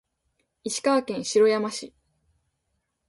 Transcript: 石川県白山市